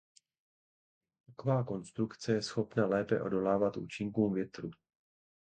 Taková konstrukce je schopna lépe odolávat účinkům větru.